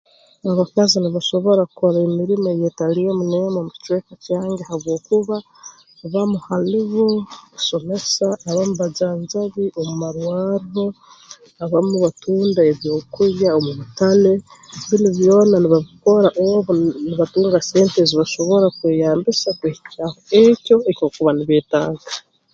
Abakazi nibasobora kukora emirimo eyeetali emu n'emu omu kicweka kyange habwokuba bamu hali bo basomesa abamu bajanjabi omu marwarro abamu batunda ebyokulya omu butale binu byona nibabikora obu ni nibatunga sente ezi basobora kweyambisa kwehikyaho ekyo eki bakuba nibeetaaga